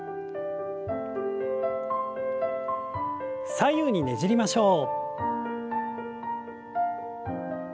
左右にねじりましょう。